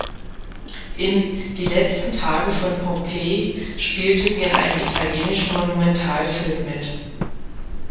In "Die letzten Tage von Pompeji" spielte sie in einem italienischen Monumentalfilm mit.